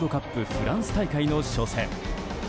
フランス大会の初戦。